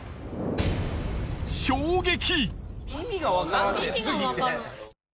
衝撃！